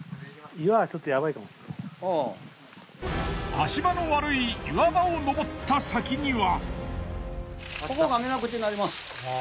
足場の悪い岩場を上った先には。